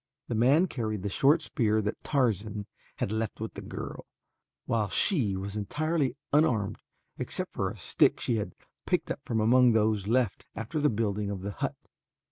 The man carried the short spear that Tarzan had left with the girl, while she was entirely unarmed except for a stick she had picked up from among those left after the building of the hut.